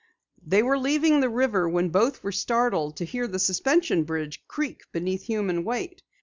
They were leaving the river when both were startled to hear the suspension bridge creak beneath human weight.